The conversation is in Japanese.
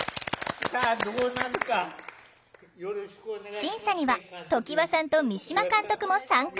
審査には常盤さんと三島監督も参加